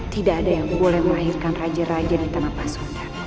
tidak ada yang boleh melahirkan raja raja di tanah pasukan